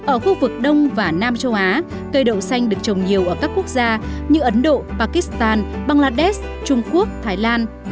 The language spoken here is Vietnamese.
ở khu vực đông và nam châu á cây đậu xanh được trồng nhiều ở các quốc gia như ấn độ pakistan bangladesh trung quốc thái lan